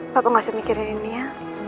papa gak usah mikirin ini ya